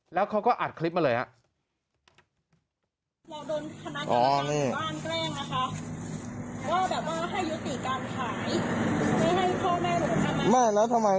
แล้วเขาก็อัดคลิปมาเลยครับ